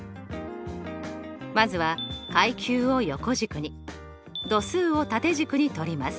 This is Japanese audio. まずは階級を横軸に度数を縦軸にとります。